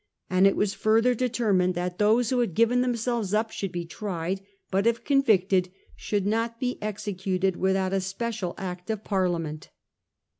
and it was further determined that those who had given them selves up should be tried, but, if convicted, should not be executed without a special Act of Parliament.